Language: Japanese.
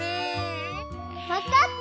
わかった！